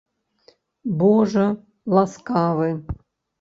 Божа ласкавы!..